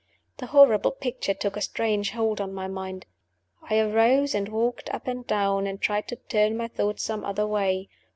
The horrible picture took a strange hold on my mind. I arose, and walked up and down, and tried to turn my thoughts some other way.